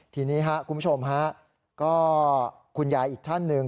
ทีนี้ครับคุณผู้ชมฮะก็คุณยายอีกท่านหนึ่ง